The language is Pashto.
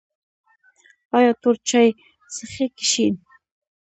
ایا تور چای څښئ که شین؟